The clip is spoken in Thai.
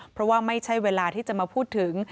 เพราะว่าไม่ใช่เวลาที่จะมาพูดถึง